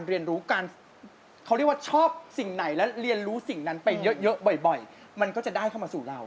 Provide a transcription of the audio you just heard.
ฮักอายชอบมาจนแย่ส่อยให้เป็นรักแท้สู่เรา